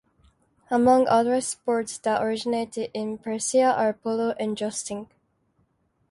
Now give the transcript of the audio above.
Among other sports that originated in Persia are polo and jousting.